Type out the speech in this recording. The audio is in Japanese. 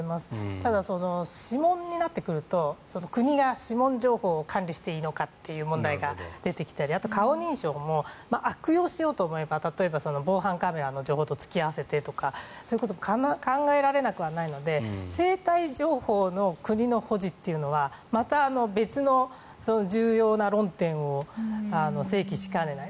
ただ、指紋になってくると国が指紋情報を管理していいのかという問題が出てきたりあと、顔認証も悪用しようと思えば例えば、防犯カメラの情報と突き合わせてとかそういうことも考えられるので生体情報の国の保持というのはまた別の重要な論点を生起しかねない。